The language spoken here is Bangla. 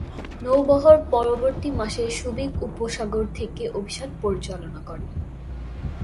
নৌবহর পরবর্তী মাসে সুবিক উপসাগর থেকে অভিযান পরিচালনা করে।